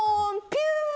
ピュー！